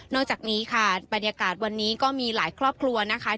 จากนี้ค่ะบรรยากาศวันนี้ก็มีหลายครอบครัวนะคะ